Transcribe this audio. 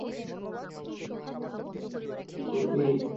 তুই কি ফাঁদ পাতা বন্ধ করবি?